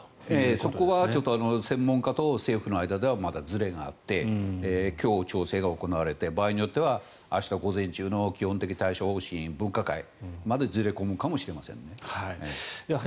そこはちょっと専門家と政府の間ではまだずれがあって今日、調整が行われて場合によっては明日午前中の基本的対処方針分科会までずれ込むかもしれませんね。